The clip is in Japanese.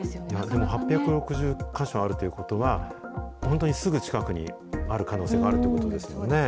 でも８６０か所あるということは、本当にすぐ近くにある可能性もあるということですよね。